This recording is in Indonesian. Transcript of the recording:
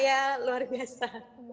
iya luar biasa